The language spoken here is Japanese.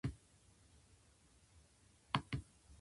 光が水面に反射する。